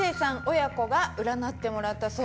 親子が占ってもらったそうです。